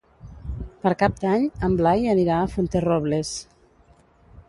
Per Cap d'Any en Blai anirà a Fuenterrobles.